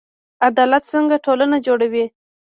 عدالت څنګه ټولنه جوړوي؟